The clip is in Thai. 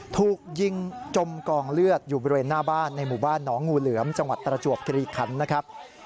ถูกยิงจมกองเลือดอยู่บริเวณหน้าบ้านในหมู่บ้านหนองงูเหลือมจังหวัดประจวบกิริคันนะครับ